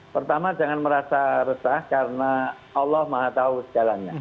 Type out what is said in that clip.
pertama jangan merasa resah karena allah maha tahu segalanya